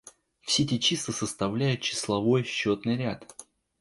Все эти числа составляют числовой, счётный ряд.